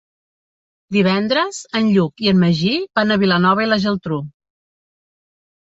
Divendres en Lluc i en Magí van a Vilanova i la Geltrú.